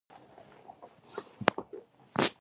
اتصالات او ایم ټي این فعالیت لري